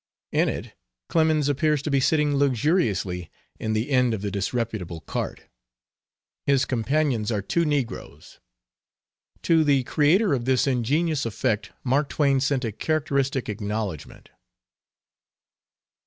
In it Clemens appears to be sitting luxuriously in the end of the disreputable cart. His companions are two negroes. To the creator of this ingenious effect Mark Twain sent a characteristic acknowledgment.